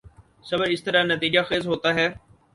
صبر اسی طرح نتیجہ خیز ہوتا ہے۔